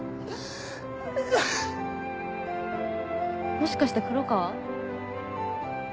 もしかして黒川？